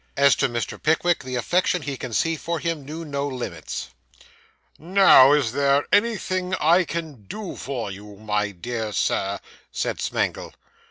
As to Mr. Pickwick, the affection he conceived for him knew no limits. 'Now is there anything I can do for you, my dear Sir?' said Smangle.